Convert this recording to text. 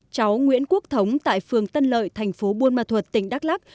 cháu nguyễn quốc thống tại phường tân lợi thành phố buôn ma thuật tỉnh đắk lắc